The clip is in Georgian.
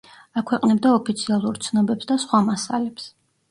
აქვეყნებდა ოფიციალურ ცნობებს და სხვა მასალებს.